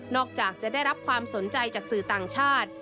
อกจากจะได้รับความสนใจจากสื่อต่างชาติ